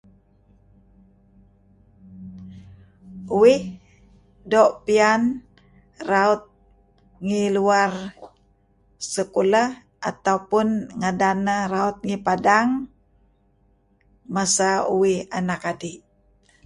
Uih doo' pian raut ngih luar sekuleh , atau pun ngadan neh raut ngih padang masa uih anak adi'.